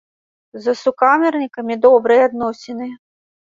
З сукамернікамі добрыя адносіны.